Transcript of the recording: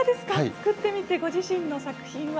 作ってみてご自身の作品は。